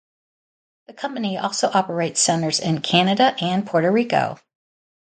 The company also operates centers in Canada and Puerto Rico.